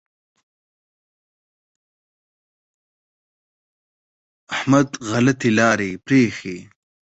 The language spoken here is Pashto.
احمد غلطې لارې پرېښې.